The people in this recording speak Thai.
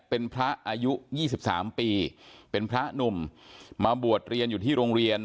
เป็นพระอายุ๒๓ปีเป็นพระหนุ่มมาบวชเรียนอยู่ที่โรงเรียน